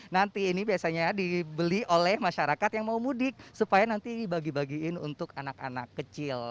nanti ini biasanya dibeli oleh masyarakat yang mau mudik supaya nanti dibagi bagiin untuk anak anak kecil